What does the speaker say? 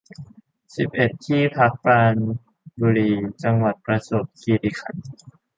สิบเอ็ด ที่พักปราณบุรี จังหวัดประจวบคีรีขันธ์